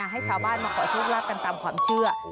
ให้ชาวบ้านมาขอโชคลาภกันตามความเชื่อ